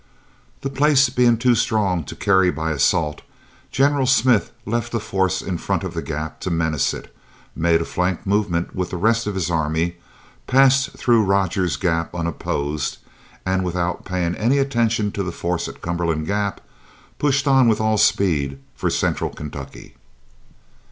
The place being too strong to carry by assault, General Smith left a force in front of the Gap to menace it, made a flank movement with the rest of his army, passed through Roger's Gap unopposed, and without paying any attention to the force at Cumberland Gap, pushed on with all speed for Central Kentucky.